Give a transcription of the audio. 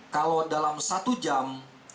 kalau dalam satu jam